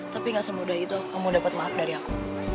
tapi gak semudah itu kamu dapat maaf dari aku